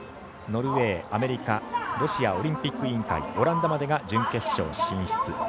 ノルウェー、アメリカロシアオリンピック委員会オランダまでが準決勝進出。